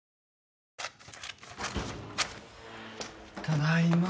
ただいま。